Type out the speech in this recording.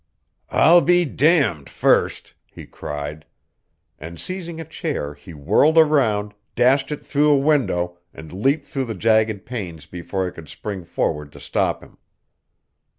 "I'll be damned first!" he cried. And seizing a chair he whirled around, dashed it through a window, and leaped through the jagged panes before I could spring forward to stop him.